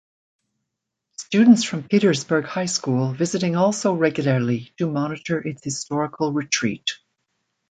Students from Petersburg High School visiting also regularly to monitor its historical retreat.